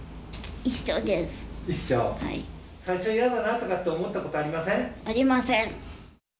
最初、嫌だなとか思ったことありません。